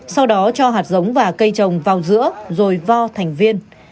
sau đó cho hạt giống và cây trồng vào giữa rồi vo thành viên